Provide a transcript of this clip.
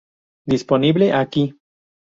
Disponible aquí.